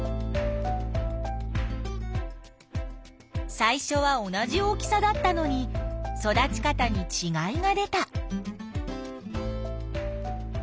最初は同じ大きさだったのに育ち方にちがいが出た。